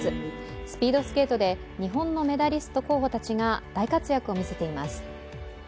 スピードスケートで日本のメダリスト候補たちが大活躍を見せています。